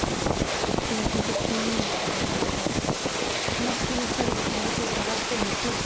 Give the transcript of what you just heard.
気を引いて睡眠薬を飲ませその隙に２人で権利書を捜して盗む。